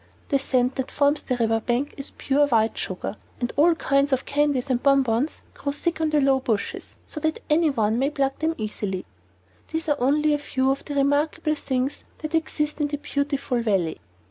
The sand that forms the river bank is pure white sugar, and all kinds of candies and bonbons grow thick on the low bushes, so that any one may pluck them easily. These are only a few of the remarkable things that exist in the Beautiful Valley.